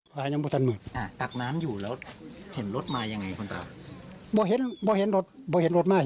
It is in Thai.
เขาบุงแย้งกะคิดมาา